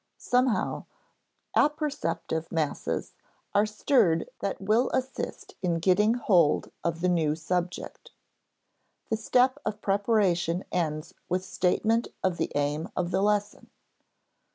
Somehow "apperceptive masses" are stirred that will assist in getting hold of the new subject. The step of preparation ends with statement of the aim of the lesson.